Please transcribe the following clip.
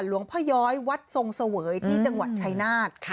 หลวงพ่อย้อยวัดทรงเสวยที่จังหวัดชายนาฏ